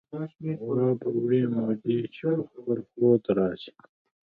وابه وړي مودې چې په خپل خود را ځي